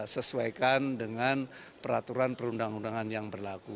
sesuaikan dengan peraturan perundang undangan yang berlaku